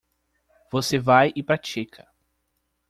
Você vai e pratica.